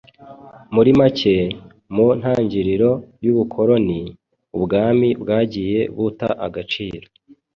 Muri make, mu ntagiriro y'ubukoloni, ubwami bwagiye buta agaciro